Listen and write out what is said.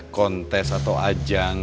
kontes atau ajang